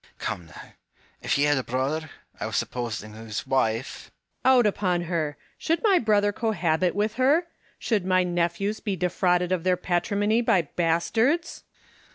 Come now, if you had a brother, I was supposing, •whose wife Home. Out upon her ! should my brother cohabit with her % Should my nephews be defrauded of their patrimony by bastards?